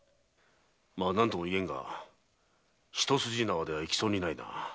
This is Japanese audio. まあ何とも言えんが一筋縄ではいきそうにないな。